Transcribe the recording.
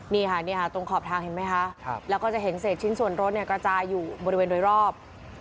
นี่ค่ะตรงขอบทางเห็นไหมคะแล้วก็จะเห็นเศษชิ้นส่วนรถกระจายอยู่บริเวณโดยรอบ